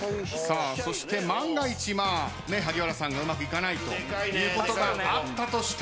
そして万が一萩原さんがうまくいかないということがあったとしてもですよ。